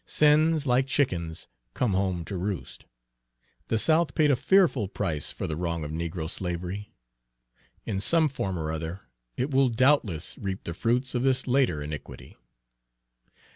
Sins, like chickens, come home to roost. The South paid a fearful price for the wrong of negro slavery; in some form or other it will doubtless reap the fruits of this later iniquity.